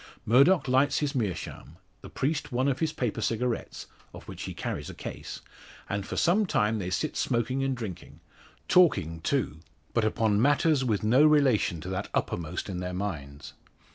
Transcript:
Murdock lights his meerschaum, the priest one of his paper cigarettes of which he carries a case and for some time they sit smoking and drinking; talking, too, but upon matters with no relation to that uppermost in their minds.